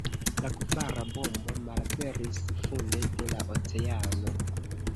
La kvara bombo malaperis funde de la oceano.